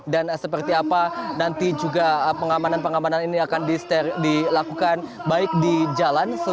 dan seperti apa nanti juga pengamanan pengamanan ini akan dilakukan baik di jalan